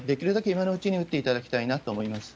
今のうちに打っていただきたいなと思います。